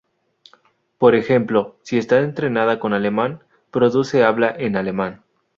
Por ejemplo, si está entrenada con alemán, produce habla en alemán.